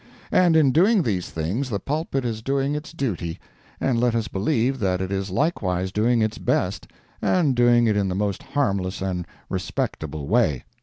And in doing these things the pulpit is doing its duty, and let us believe that it is likewise doing its best, and doing it in the most harmless and respectable way.